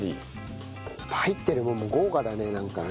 入ってるものも豪華だねなんかね。